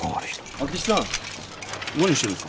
明智さん何してるんですか？